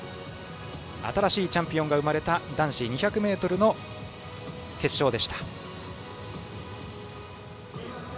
新しいチャンピオンが生まれた男子２００ｍの決勝でした。